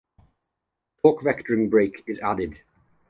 Torque Vectoring Brake is added.